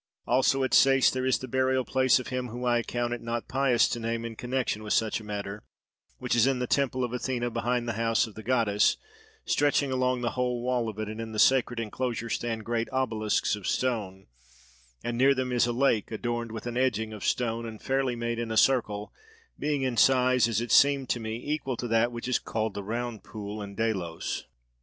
Also at Sais there is the burial place of him whom I account it not pious to name in connexion with such a matter, which is in the temple of Athene behind the house of the goddess, stretching along the whole wall of it; and in the sacred enclosure stand great obelisks of stone, and near them is a lake adorned with an edging of stone and fairly made in a circle, being in size, as it seemed to me, equal to that which is called the "Round Pool" in Delos.